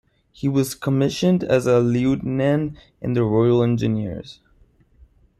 He was commissioned as a Lieutenant in the Royal Engineers.